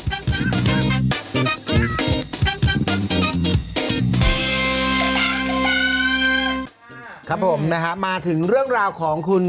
สีวิต้ากับคุณกรนิดหนึ่งดีกว่านะครับแฟนแห่เชียร์หลังเห็นภาพ